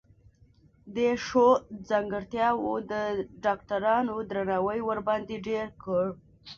دې ښو ځانګرتياوو د ډاکټرانو درناوی ورباندې ډېر کړ.